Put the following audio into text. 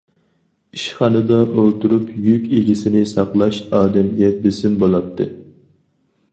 ئىشخانىدا ئولتۇرۇپ يۈك ئىگىسىنى ساقلاش ئادەمگە بېسىم بولاتتى.